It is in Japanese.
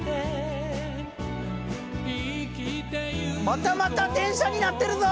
またまた電車になってるぞ！